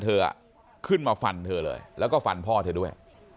เธอขึ้นมาฟันเธอเลยแล้วก็ฟันพ่อเธอด้วย